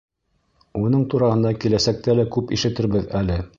Уның тураһында киләсәктә лә күп ишетербеҙ әле.